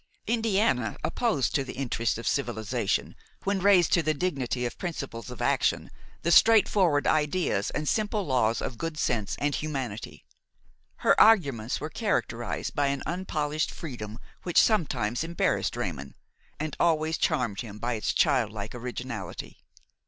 Indiana opposed to the interests of civilization, when raised to the dignity of principles of action, the straightforward ideas and simple laws of good sense and humanity; her arguments were characterized by an unpolished freedom which sometimes embarrassed Raymon and always charmed him by its childlike originality.